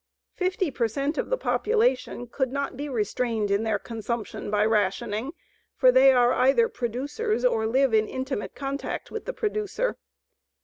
Fifty per cent of the population could not be restrained in their consumption by rationing, for they are either producers or live in intimate contact with the producer.